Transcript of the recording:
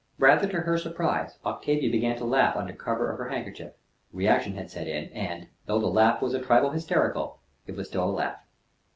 Rather to her surprise, Octavia began to laugh under cover of her handkerchief: reaction had set in, and, though the laugh was a trifle hysterical, it was still a laugh.